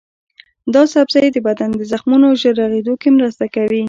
دا سبزی د بدن د زخمونو ژر رغیدو کې مرسته کوي.